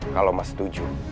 kalau mas setuju